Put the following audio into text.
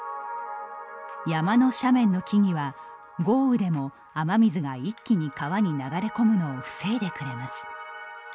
山の斜面の木々は、豪雨でも雨水が一気に川に流れ込むのを防いでくれます。